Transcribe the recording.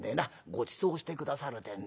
ごちそうして下さるってんだよ」。